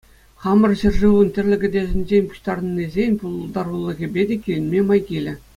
Хамӑр ҫӗршывӑн тӗрлӗ кӗтесӗнчен пуҫтарӑннисен пултарулӑхӗпе те киленме май килӗ.